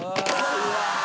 うわ！